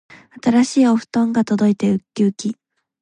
新しいお布団が届いてうっきうき